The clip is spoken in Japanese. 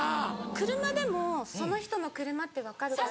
車でもその人の車って分かるから。